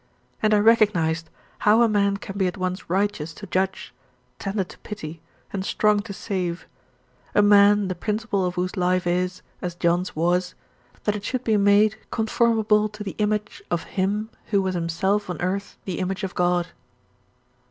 And I recognized how a man can be at once righteous to judge, tender to pity, and strong to save; a man the principle of whose life is, as John's was that it should be made "conformable to the image" of Him, who was Himself on earth the image of God.